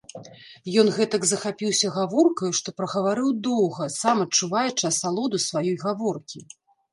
Ён гэтак захапіўся гаворкаю, што прагаварыў доўга, сам адчуваючы асалоду сваёй гаворкі.